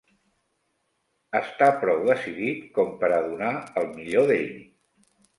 Està prou decidit com per a donar el millor d'ell.